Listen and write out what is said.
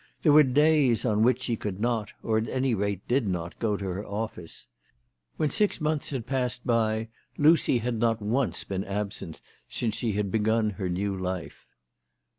There were days on which she could not, or at any rate did not go to her office. When six months had passed by Lucy had not once been absent since she had begun her new life.